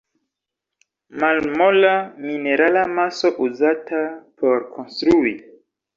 Malmola, minerala maso uzata por konstrui.